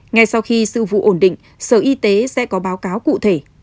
ngay sau khi sự vụ ổn định sở y tế sẽ có báo cáo cụ thể